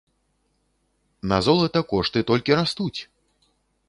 На золата кошты толькі растуць!